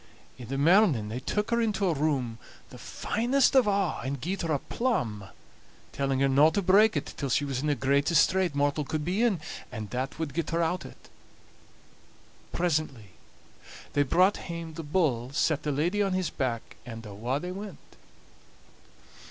In the morning they took her into a room, the finest of a', and gied her a plum, telling her no to break it till she was in the greatest strait mortal could be in, and that wad get her out o't. Presently they brought hame the bull, set the lady on his back, and awa' they went.